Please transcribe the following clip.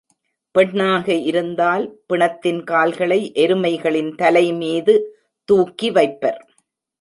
பெண்ணாக இருந்தால், பிணத்தின் கால்களை எருமைகளின் தலைமீது தூக்கி வைப்பர்.